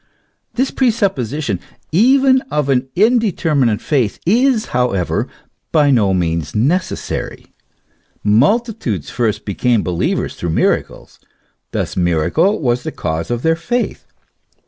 This presupposition even of an indeterminate faith is, however, by no means necessary. Mul titudes first became believers through miracles; thus miracle was the cause of their faith.